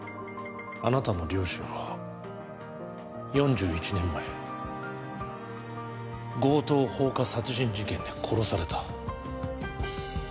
あなたの両親も４１年前、強盗・放火殺人事件で殺された。